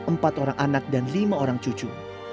empat orang anak dan lima orang cucu